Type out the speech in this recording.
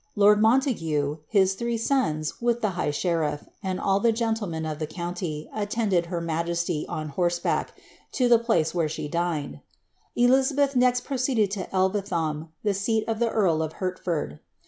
Lord Moniague. his three sons, with the higli sherilT, and all the genllemen of ihe county, attended her majesiy, on horseback, to ilie place where t\\e dined. Elizabeth next proceeded to Elvelham, the seat of ihe earl of Hert ford.'